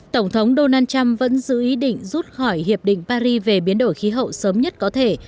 tổng thống donald trump vẫn giữ ý định rút khỏi hiệp định paris về biến đổi khí hậu sớm nhất có thể